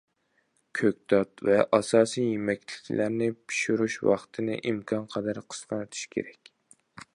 كۆكتات ۋە ئاساسىي يېمەكلىكلەرنى پىشۇرۇش ۋاقتىنى ئىمكانقەدەر قىسقارتىش كېرەك.